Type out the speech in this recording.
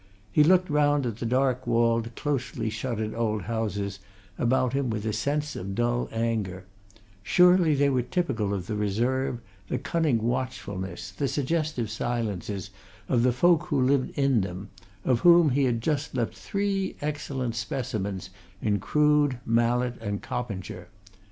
He looked round at the dark walled, closely shuttered old houses about him with a sense of dull anger surely they were typical of the reserve, the cunning watchfulness, the suggestive silences of the folk who lived in them, of whom he had just left three excellent specimens in Crood, Mallett and Coppinger.